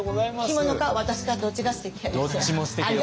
着物か私かどっちがすてきやねんな？